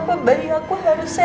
buat apa bayi aku harus sehat